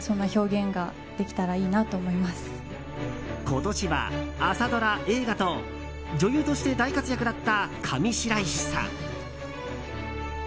今年は朝ドラ、映画と女優として大活躍だった上白石さん。